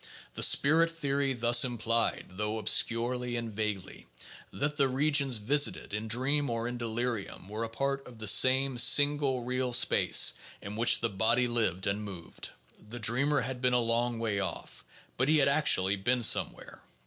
The spirit theory thus implied (though obscurely and vaguely) that the regions A r isited in dream or in delirium were a part of the same, single, real space in which the body lived and moved; the dreamer had been a "long way off," but he had actually been somewhere.